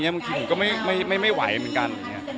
มันก็ไม่ไหวเหมือนกัน